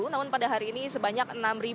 namun pada hari ini sebanyak enam